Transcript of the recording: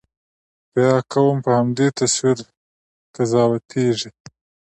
بیا قوم په همدې تصویر قضاوتېږي.